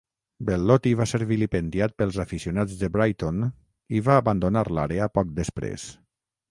Bellotti va ser vilipendiat pels aficionats de Brighton i va abandonar l'àrea poc després.